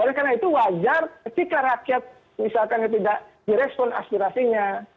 oleh karena itu wajar ketika rakyat misalkan tidak direspon aspirasinya